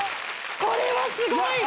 これはすごい。